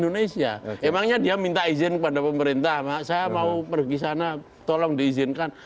indonesia emangnya dia minta izin kepada pemerintah saya mau pergi sana tolong diizinkan